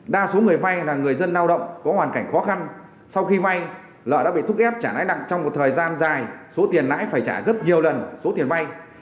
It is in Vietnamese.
đa số người vay là người dân lao động có hoàn cảnh khó khăn sau khi vay lợi đã bị thúc ép trả lãi nặng trong một thời gian dài số tiền lãi phải trả gấp nhiều lần số tiền vay